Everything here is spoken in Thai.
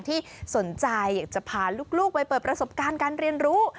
ที่สนใจอยากจะพาลูกไปเปิดประสบการณ์การเรียนรู้